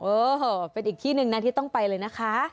เออเป็นอีกที่หนึ่งนะที่ต้องไปเลยนะคะ